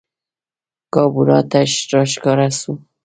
کابورا ته راښکاره سوو